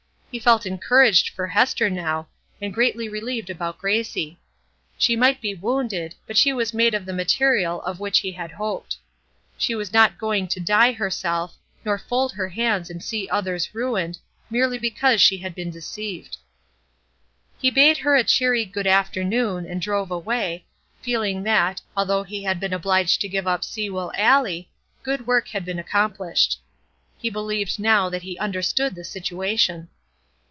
He felt encouraged for Hester now, and greatly relieved about Gracie. She might be wounded, but she was made of the material of which he had hoped. She was not going to die herself, nor fold her hands and see others ruined, merely because she had been deceived. He bade her a cheery "Good afternoon!" and drove away, feeling that, although he had been obliged to give up Sewell Alley, good work had been accomplished. He believed now that he understood the situation.